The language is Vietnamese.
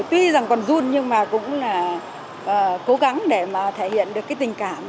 tuy rằng còn run nhưng mà cũng là cố gắng để mà thể hiện được cái tình cảm